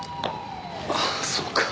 ああそうか。